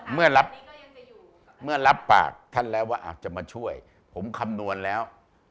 เมื่อรับเมื่อรับปากท่านแล้วว่าอาจจะมาช่วยผมคำนวณแล้ว